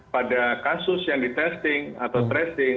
pada kasus yang di testing atau tracing